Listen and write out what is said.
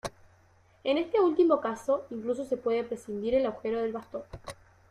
En este último caso, incluso se puede prescindir del agujero del bastón.